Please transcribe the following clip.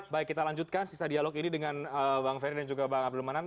baik kita lanjutkan sisa dialog ini dengan bang ferry dan juga bang abdul manan